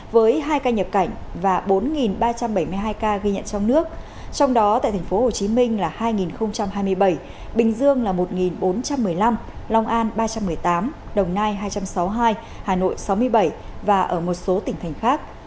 với hai ca nhập cảnh và bốn ba trăm bảy mươi hai ca ghi nhận trong nước trong đó tại tp hcm là hai hai mươi bảy bình dương là một bốn trăm một mươi năm long an ba trăm một mươi tám đồng nai hai trăm sáu mươi hai hà nội sáu mươi bảy và ở một số tỉnh thành khác